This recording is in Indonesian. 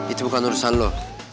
itu bukan urusan lo